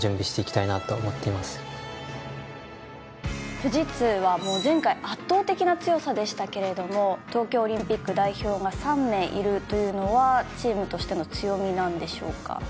富士通は前回、圧倒的な強さでしたけど、東京オリンピック代表が３名いるというのは、チームとしての強みなんでしょうか？